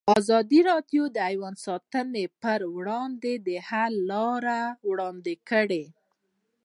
ازادي راډیو د حیوان ساتنه پر وړاندې د حل لارې وړاندې کړي.